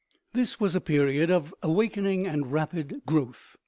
This was a period of awakening and rapid growth.